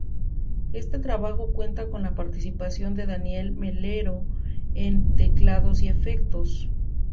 Este trabajo cuenta con la participación de Daniel Melero en teclados y efectos.